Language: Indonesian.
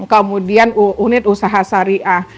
kemudian unit usaha syariah